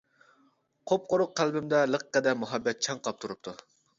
قۇپقۇرۇق قەلبىمدە، لىققىدە مۇھەببەت چاڭقاپ تۇرۇپتۇ.